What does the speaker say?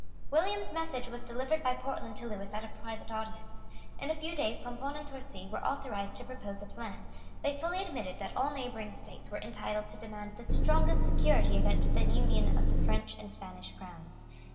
William's message was delivered by Portland to Lewis at a private audience. In a few days Pomponne and Torcy were authorised to propose a plan. They fully admitted that all neighbouring states were entitled to demand the strongest security against the union of the French and Spanish crowns.